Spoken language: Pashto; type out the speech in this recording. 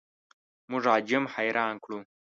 موږ عجم حیران کړو.